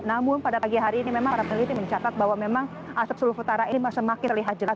namun pada pagi hari ini memang para peneliti mencatat bahwa memang asap suluf utara ini semakin terlihat jelas